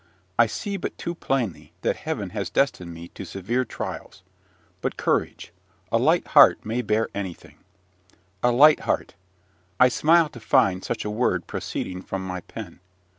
I see but too plainly that Heaven has destined me to severe trials; but courage! a light heart may bear anything. A light heart! I smile to find such a word proceeding from my pen.